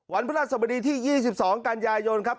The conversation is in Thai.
พระราชสมดีที่๒๒กันยายนครับ